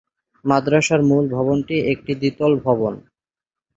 মাদ্রাসার মূল ভবনটি একটি দ্বিতল ভবন।